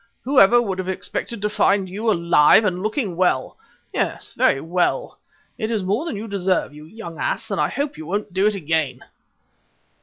"Whoever would have expected to find you alive and looking well yes, very well? It is more than you deserve, you young ass, and I hope you won't do it again."